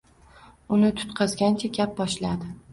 Uni tutqazgancha gap boshladi